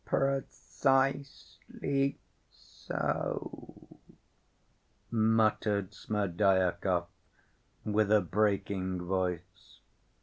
"Precisely so ..." muttered Smerdyakov, with a breaking voice.